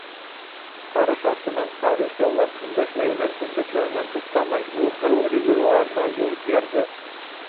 Ҡарыш артынан ҡарыш яулап, өндәшмәй генә дөмбәҫләүенән туҡтамай, ул һыу резервуарҙарына юл ярҙы.